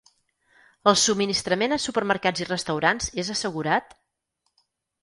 El subministrament a supermercats i restaurants és assegurat?